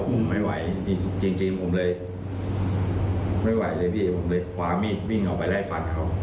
ผมไม่ไหวจริงผมเลยไม่ไหวเลยพี่ผมเลยคว้ามีดวิ่งออกไปไล่ฟันเขา